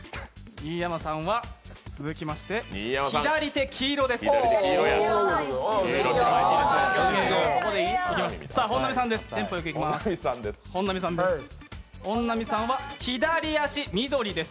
新山さんは続きまして左手、黄色です。